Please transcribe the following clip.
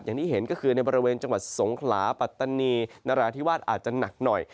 อย่างที่เห็นก็คือในบริเวณจังหวัดสงขลาปัตตานีนราธิวาสอาจจะหนักหน่อย